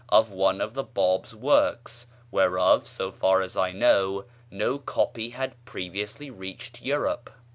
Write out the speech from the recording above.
of one of the Báb's works, whereof, so far as I know, no copy had previously reached Europe.